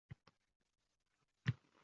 Bugungi yoshlar ijodi kerak.